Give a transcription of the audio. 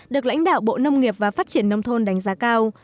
được lãnh đạo bộ nông nghiệp và phát triển nông thôn đánh giá cao